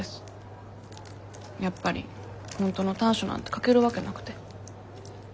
やっぱり本当の短所なんて書けるわけなくて。